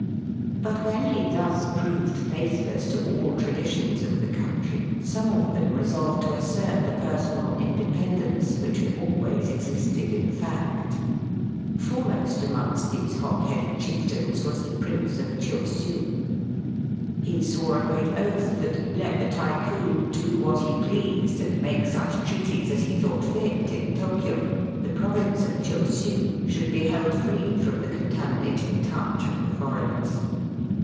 But when he thus proved faithless to all traditions of the country, some of them resolved to assert the personal independence which had always existed in fact. Foremost amongst these hot headed chieftains was the Prince of Chosiu He swore a great oath that, let the Tycoon do what he pleased and make such treaties as he thought fit in Tokio, the province of Chosiu should be held free from the contaminating touch of the foreigners.